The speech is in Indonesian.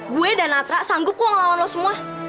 gue dan natra sanggup kok melawan lo semua